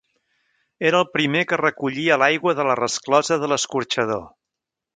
Era el primer que recollia l'aigua de la resclosa de l'escorxador.